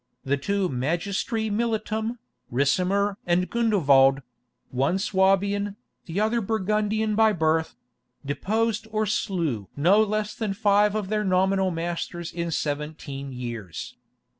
The two Magistri militum, Ricimer and Gundovald—one Suabian, the other Burgundian by birth—deposed or slew no less than five of their nominal masters in seventeen years.